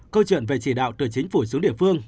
câu chuyện về chỉ đạo từ chính phủ xuống địa phương